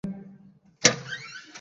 শুভকামনা রইলো, ক্রিস।